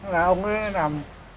là ông ấy làm